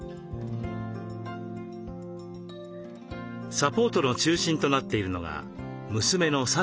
サポートの中心となっているのが娘の幸子さんです。